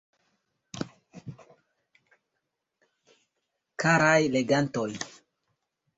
Karaj legantoj!